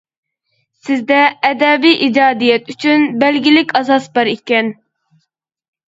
سىزدە ئەدەبىي ئىجادىيەت ئۈچۈن بەلگىلىك ئاساس بار ئىكەن.